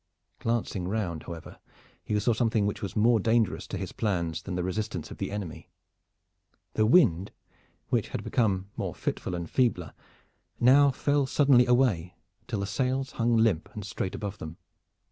Glancing round, however, he saw something which was more dangerous to his plans than the resistance of the enemy. The wind, which had become more fitful and feebler, now fell suddenly away, until the sails hung limp and straight above them.